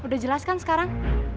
udah jelas kan sekarang